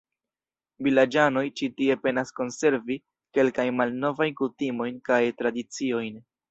Vilaĝanoj ĉi tie penas konservi kelkajn malnovajn kutimojn kaj tradiciojn.